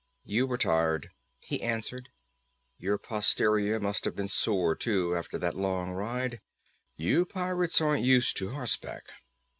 "You were tired," he answered. "Your posterior must have been sore, too, after that long ride. You pirates aren't used to horseback."